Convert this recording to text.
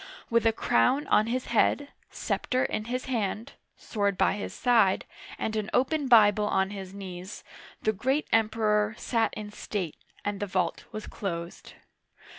With a crown on his head, scepter in his hand, sword by his side, and an open Bible on his knees, the great Emperor sat in state, and the vault was closed.